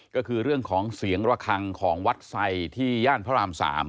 ก็คือเรื่องของเสียงระคังของวัดไซดที่ย่านพระราม๓